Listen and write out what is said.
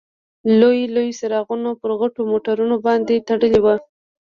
لوی لوی څراغونه پر غټو موټرونو باندې تړلي وو.